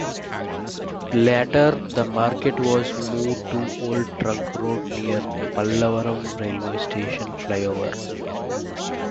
Later the market was moved to Old Trunk Road near Pallavaram Railway Station Flyover.